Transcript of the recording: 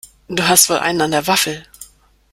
Du hast wohl einen an der Waffel!